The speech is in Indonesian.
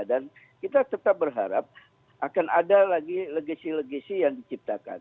dan kita tetap berharap akan ada lagi legisi legisi yang diciptakan